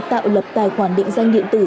tạo lập tài khoản điện danh điện tử